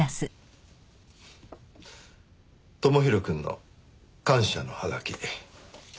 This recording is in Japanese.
智弘くんの感謝のハガキ。